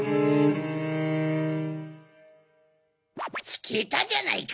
ひけたじゃないか！